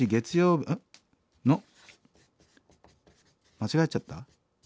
間違えちゃった。